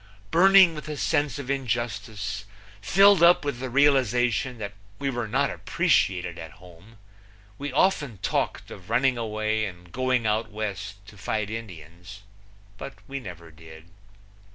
Burning with a sense of injustice, filled up with the realization that we were not appreciated at home, we often talked of running away and going out West to fight Indians, but we never did.